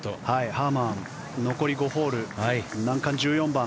ハーマン残り５ホール、難関１４番。